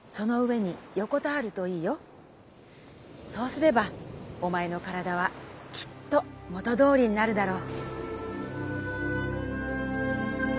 そうすればおまえの体はきっと元どおりになるだろう』」。